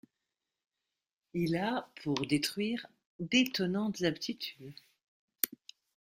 Il a pour détruire d'étonnantes aptitudes.